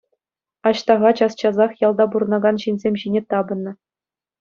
Аҫтаха час-часах ялта пурӑнакан ҫынсем ҫине тапӑннӑ.